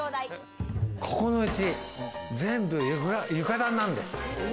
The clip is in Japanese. ここの家、全部床暖なんです。